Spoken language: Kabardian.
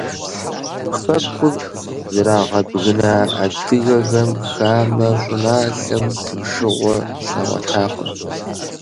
Хэкур зрагъэбгына адыгэхэм хамэ щӀыналъэм тыншыгъуэ щагъуэтакъым.